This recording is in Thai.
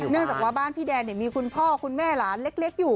เนื่องจากว่าบ้านพี่แดนเนี่ยมีคุณพ่อคุณแม่หลานเล็กอยู่